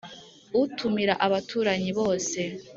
utumira abaturanyi bose